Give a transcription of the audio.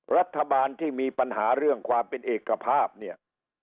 รัฐบาลที่มีปัญหาเรื่องความเป็นเอกภาพเนี่ย